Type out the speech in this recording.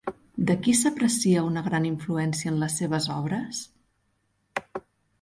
De qui s'aprecia una gran influència en les seves obres?